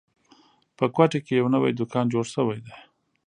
په کوټه کې یو نوی دوکان جوړ شوی ده